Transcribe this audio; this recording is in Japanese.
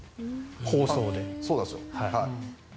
放送で。